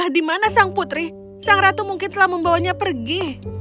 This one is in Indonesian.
di mana sang putri sang ratu mungkin telah membawanya pergi